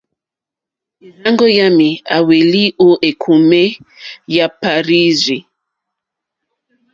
E rzàŋgo yami a hweli o ekome ya Parirzi.